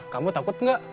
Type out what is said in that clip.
kamu takut nggak